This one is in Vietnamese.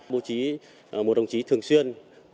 bộ trí một đồng trí thường xuyên